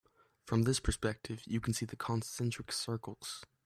From this perspective you can see the concentric circles.